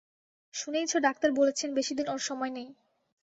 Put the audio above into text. শুনেইছ doctor বলেছেন বেশিদিন ওঁর সময় নেই।